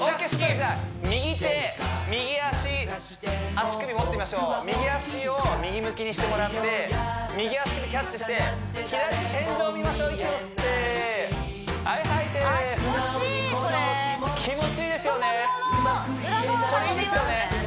じゃあ右手右足足首持ってみましょう右足を右向きにしてもらって右足首キャッチして左手天井見ましょう息を吸ってはい吐いてあっ気持ちいいこれ気持ちいいですよねこれいいですよね